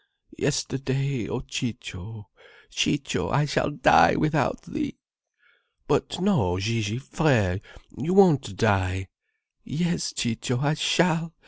"Yesterday. O Ciccio, Ciccio, I shall die without thee!" "But no, Gigi, frère. You won't die." "Yes, Ciccio, I shall.